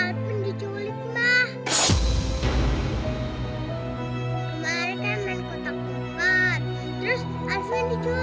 kemarin kan main kotak bubar